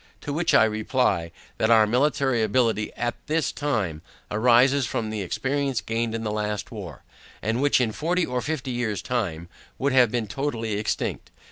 To which I reply, that our military ability AT THIS TIME, arises from the experience gained in the last war, and which in forty or fifty years time, would have been totally extinct.